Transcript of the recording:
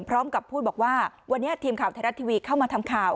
พร้อมกับพูดบอกว่าวันนี้ทีมข่าวไทยรัฐทีวีเข้ามาทำข่าว